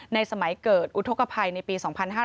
สมัยเกิดอุทธกภัยในปี๒๕๕๙